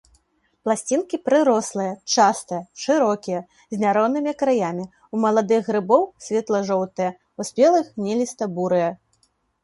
Пласцінкі прырослыя, частыя, шырокія, з няроўнымі краямі, у маладых грыбоў светла-жоўтыя, у спелых глініста-бурыя.